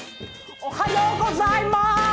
おはようございます。